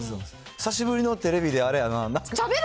久しぶりのテレビで、あれやな。